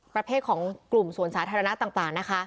ประเภทของกลุ่มสวนสาธารณะต่างนะคะ